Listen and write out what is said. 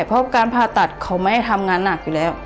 เพราะการผ่าตัดเขาไม่ให้ทำงานหนักอยู่แล้ว